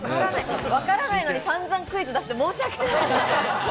わからないのに、さんざんクイズ出して申し訳ない。